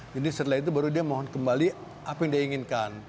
setelah itu baru dia mohon kembali apa yang dia inginkan